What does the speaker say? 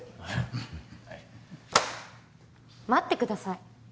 待ってください。